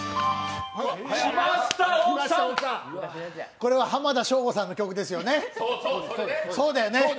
これは浜田省吾さんの曲ですよね、そうですよね。